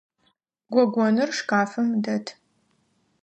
Гогоныр шкафым дэт.